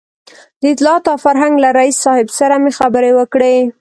د اطلاعاتو او فرهنګ له رییس صاحب سره مې خبرې وکړې.